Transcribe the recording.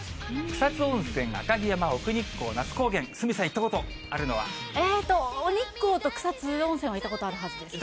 草津温泉、赤城山、奥日光、那須高原、鷲見さん、行ったことえーと、日光と草津温泉は行ったことあるはずです。